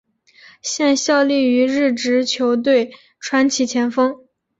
现效力于日职球队川崎前锋。